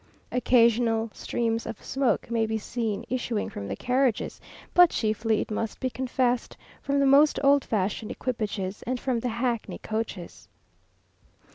Occasional streams of smoke may be seen issuing from the carriages, but chiefly, it must be confessed, from the most old fashioned equipages, and from the hackney coaches.